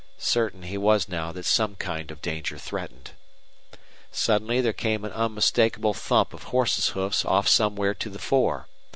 Certain he was now that some kind of danger threatened. Suddenly there came an unmistakable thump of horses' hoofs off somewhere to the fore.